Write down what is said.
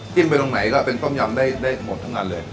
ไปตรงไหนก็เป็นต้มยำได้หมดทั้งอันเลย